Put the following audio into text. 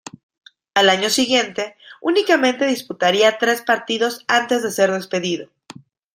Al año siguiente únicamente disputaría tres partidos antes de ser despedido.